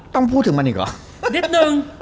ต้องพูดถึงมันอีกหรอ